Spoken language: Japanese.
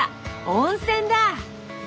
温泉だ！